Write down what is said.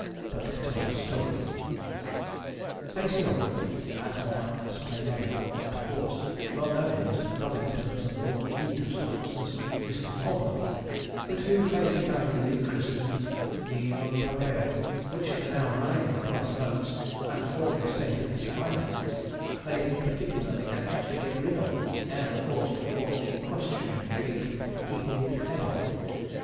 But to our story. Facey Romford had now a splendid milk white horse, well known in Mr. Nobbington's and Lord Leader's hunts as Mr. Hobler, but who Facey kindly rechristened the 'Nonpareil,' which the now rising price of oats, and falling state of his finances, made him particularly anxious to get rid of, ere the horse performed the equestrian feat of 'eating its head off.'